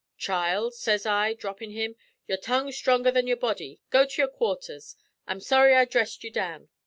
'Child, sez I, dhroppin' him, 'your tongue's stronger than your body. Go to your quarters. I'm sorry I dhressed you down.'